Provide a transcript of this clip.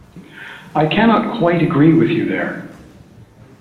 I cannot quite agree with you there.